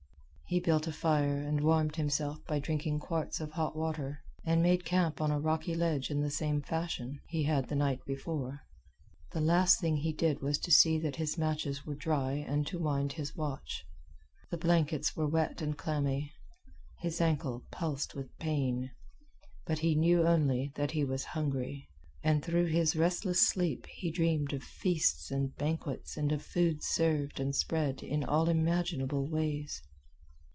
He built a fire and warmed himself by drinking quarts of hot water, and made camp on a rocky ledge in the same fashion he had the night before. The last thing he did was to see that his matches were dry and to wind his watch. The blankets were wet and clammy. His ankle pulsed with pain. But he knew only that he was hungry, and through his restless sleep he dreamed of feasts and banquets and of food served and spread in all imaginable ways.